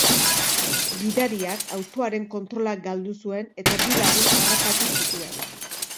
Gidariak autoaren kontrola galdu zuen eta bi lagun harrapatu zituen.